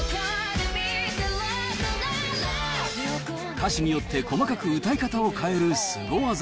歌詞によって細かく歌い方を変えるスゴ技。